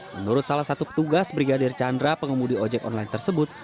menurut salah satu petugas brigadir chandra pengemudi ojek online tersebut